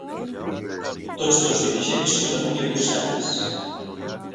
Tots dos dirigents són avui a Brussel·les.